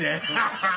ハハハ！